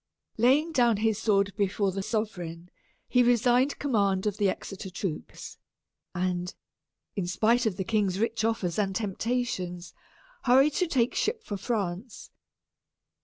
Laying down his sword before the sovereign, he resigned command of the Exeter troops, and, in spite of the king's rich offers and temptations, hurried to take ship for France.